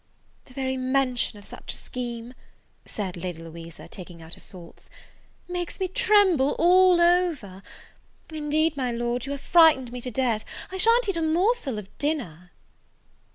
"The very mention of such a scheme," said Lady Louisa, taking out her salts, "makes me tremble all over! Indeed, my Lord, you have frightened me to death! I sha'n't eat a morsel of dinner."